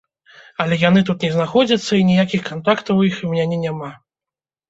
Але яны тут не знаходзяцца і ніякіх кантактаў іх у мяне няма.